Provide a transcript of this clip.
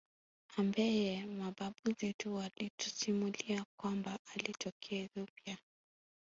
ambeye mababu zetu walitusimulia kwamba alitokea Ethiopia